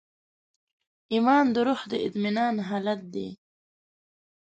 ایمان د روح د اطمینان حالت دی.